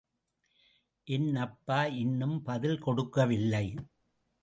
ஏன் அப்பா இன்னும் பதில் கொடுக்கவில்லை?